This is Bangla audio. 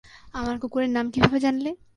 আমার কুকুরের নাম কীভাবে জানলে?